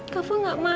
kau gak marah